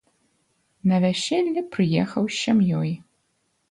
На вяселле прыехаў з сям'ёй.